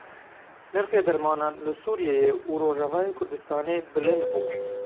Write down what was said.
Nirxê dermanan li Sûriyeyê û Rojavayê Kurdistanê bilind bû.